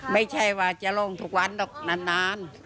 ไม่ใช่ว่าจะโรงทุกวันนะนาน